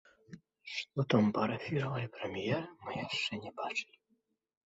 Што там парафіравалі прэм'еры, мы яшчэ не бачылі.